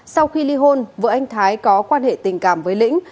sau khi ly hôn vợ anh thái có quan hệ tình cảm với lĩnh